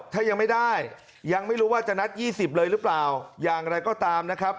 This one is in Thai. ถ้ายังไม่ได้ยังไม่รู้ว่าจะนัด๒๐เลยหรือเปล่าอย่างไรก็ตามนะครับ